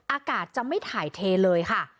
อากาศจะไม่ถ่ายเทเลยค่ะ